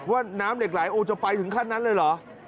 ว่าน้ำเหล็กไหลโอ้จะไปถึงขั้นนั้นเลยเหรอ